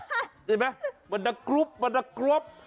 เห็นไหมมันกรุ๊บมันกรุ๊บ